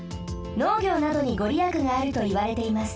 農業などにごりやくがあるといわれています。